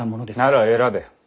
なら選べ。